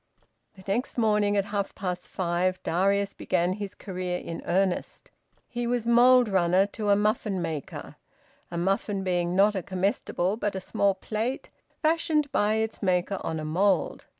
The next morning, at half past five, Darius began his career in earnest. He was `mould runner' to a `muffin maker,' a muffin being not a comestible but a small plate, fashioned by its maker on a mould.